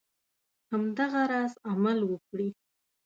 همدغه راز عمل وکړي.